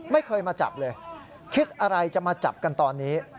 ไม่เคยมาจับเลยคิดอะไรจะมาจับกันตอนนี้